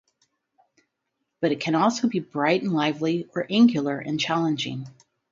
But it can also be bright and lively, or angular and challenging.